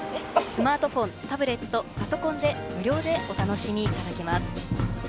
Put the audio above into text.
スマートフォン、タブレット、パソコンで無料でお楽しみいただけます。